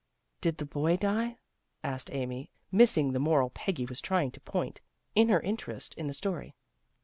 " Did the boy die? " asked Amy, missing the moral Peggy was trying to point, in her inter est in the story.